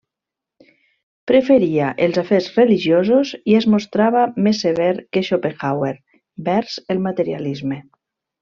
Preferia els afers religiosos i es mostrava més sever que Schopenhauer vers el materialisme.